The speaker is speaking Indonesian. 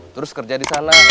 terus kerja di sana